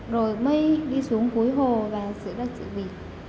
rồi mới đi xuống cuối hồ và sửa đất sửa vị